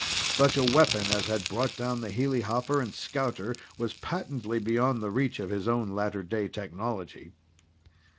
Such a weapon as had brought down the helihopper and scouter was patently beyond reach of his own latter day technology.